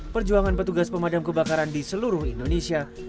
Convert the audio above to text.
perjuangan petugas pemadam kebakaran di seluruh indonesia